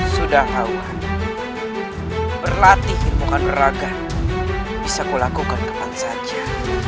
sudah tahu berlatih ilmu kanuragan bisa kulakukan keman saja